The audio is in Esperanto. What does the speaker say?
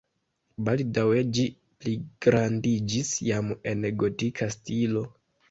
Baldaŭe ĝi pligrandiĝis jam en gotika stilo.